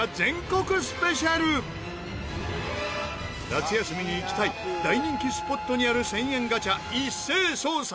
夏休みに行きたい大人気スポットにある１０００円ガチャ一斉捜査！